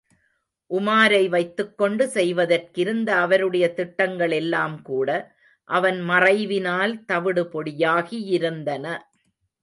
உமாரை வைத்துக்கொண்டு செய்வதற்கிருந்த அவருடைய திட்டங்களெல்லாம்கூட அவன் மறைவினால் தவிடு பொடியாகியிருந்தன.